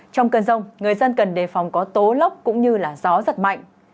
trong cơn rông người dân cần đề phòng có tố lốc cũng như gió giật mạnh